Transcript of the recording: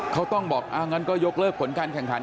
เขาต้องบอกงั้นก็ยกเลิกผลการแข่งขัน